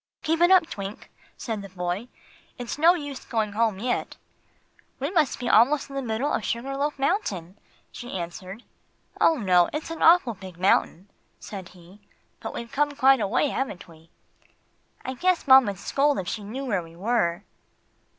"Keep it up, Twink," said the boy. "It's no use going home yet." "We must be almost in the middle of Sugar Loaf Mountain," she answered. "Oh, no; it's an awful big mountain," said he. "But we've come quite a way, haven't we?" "I guess mama'd scold, if she knew where we are."